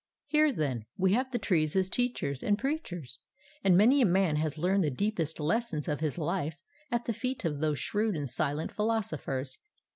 Here, then, we have the trees as teachers and preachers, and many a man has learned the deepest lessons of his life at the feet of these shrewd and silent philosophers.